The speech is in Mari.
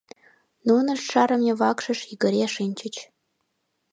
Нунышт шарыме вакшышыш йыгыре шинчыч.